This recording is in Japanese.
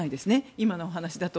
今のお話だと。